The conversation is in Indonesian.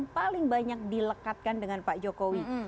paling banyak dilekatkan dengan pak jokowi